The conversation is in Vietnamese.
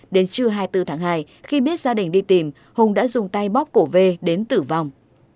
đến trưa hai mươi bốn tháng hai khi biết gia đình đi tìm hùng đã dùng tay bóp cổ v đến tử vong